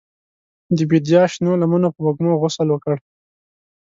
د بیدیا شنو لمنو په وږمو غسل وکړ